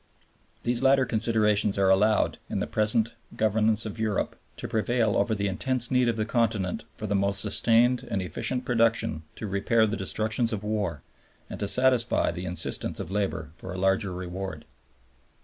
These latter considerations are allowed, in the present governance of Europe, to prevail over the intense need of the Continent for the most sustained and efficient production to repair the destructions of war, and to satisfy the insistence of labor for a larger reward.